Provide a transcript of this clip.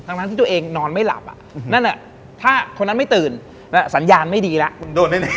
ทั้งที่ตัวเองนอนไม่หลับถ้าคนนั้นไม่ตื่นสัญญาณไม่ดีแล้ว